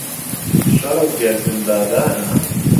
شەڕە و گەردن بادانە